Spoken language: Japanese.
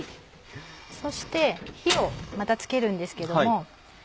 そして火をまた付けるんですけども。